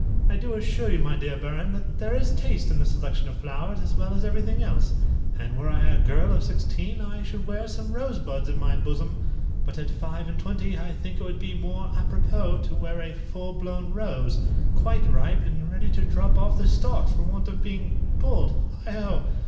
I do assure you, my dear Baron, that there is taste in the selection of flowers as well as everything else, and were I a girl of sixteen I should wear some rosebuds in my bosom, but at five and twenty I think it would be more apropos to wear a full blown rose, quite ripe, and ready to drop off the stalk for want of being pulled heigh ho!"